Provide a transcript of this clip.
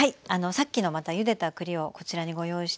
さっきのゆでた栗をこちらにご用意してます。